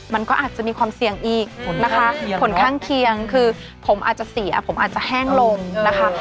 มันก็อาจจะมีความเสี่ยงอีกนะคะผลข้างเคียงคือผมอาจจะเสียผมอาจจะแห้งลงนะคะ